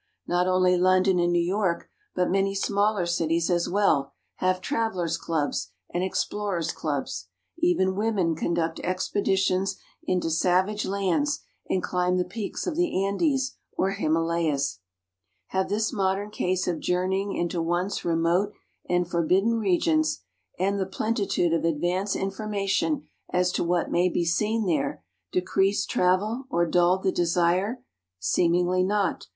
Not only London and New York, but many smaller cities as well, have Travelers' clubs and Explorers' clubs. Even women conduct expeditions into savage lands, and climb the peaks of the Andes or Himalayas. Have this modern ease of journeying into once remote and forbidden regions, and the plentitude of advance information as to what may be seen there, decreased travel or dulled the desire? Seemingly not.